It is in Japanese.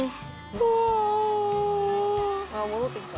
「あっ戻ってきた」